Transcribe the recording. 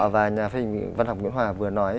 và nhà phim văn học nguyễn hòa vừa nói